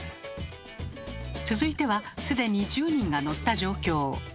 続いては既に１０人が乗った状況。